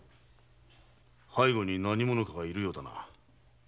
背後に何者かがいるようだな。